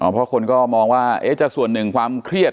เพราะคนก็มองว่าจะส่วนหนึ่งความเครียด